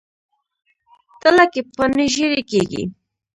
تله کې پاڼې ژیړي کیږي.